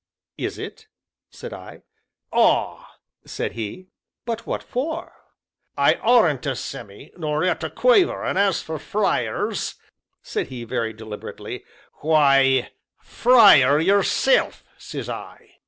"Is it?" said I. "Ah!" said he. "But what for?" "I aren't a Semmy, nor yet a Quaver, an' as for Friers," said he, very deliberately, "why Frier yourself, says I."